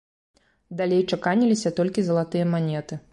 Далей чаканіліся толькі залатыя манеты.